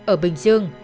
ở bình dương